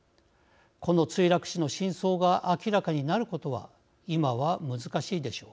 この墜落死の真相が明らかになることは今は難しいでしょう。